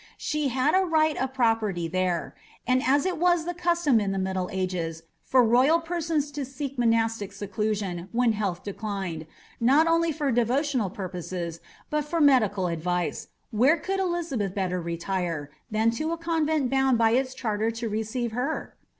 She had a right of property there ; and as it was the cus iom in the middle ages, for royal persons to seek monastic seclusion, when health declined, not only for devotional purposes, but for medical advice, where could Elizabeth better retire, than to a convent bound by its charter to receive her